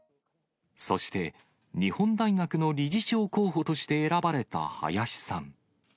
そして、日本大学の理事長候補として選ばれたはやしさん。